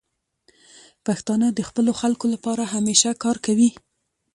پښتانه د خپلو خلکو لپاره همیشه کار کوي.